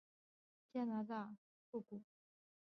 加拿大欧肯纳根湖中有著名的水怪奥古布古。